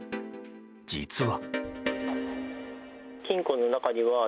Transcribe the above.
実は。